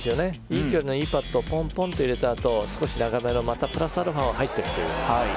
いい距離のいいパットをぽんぽんと入れたあと少し長めのプラスアルファも入ってくる。